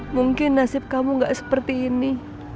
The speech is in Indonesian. mungkin nasib kamu gak seperti ini